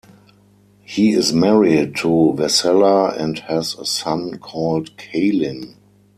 He is married to Vessela and has a son called Kalin.